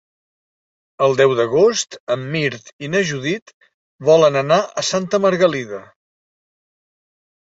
El deu d'agost en Mirt i na Judit volen anar a Santa Margalida.